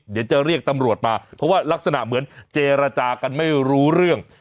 เดี๋ยวจะเรียกตำรวจมาเพราะว่ารักษณะเหมือนเจรจากันไม่รู้เรื่อง